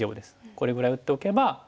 これぐらい打っておけば。